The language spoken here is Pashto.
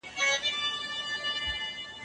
له الله څخه وويريږئ او تقوا غوره کړئ.